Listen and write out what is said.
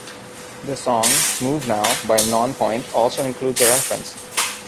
The song "Move Now" by Nonpoint also includes a reference.